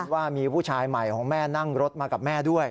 ว่ามีผู้ชายใหม่ของแม่นั่งรถมากับแม่ด้วย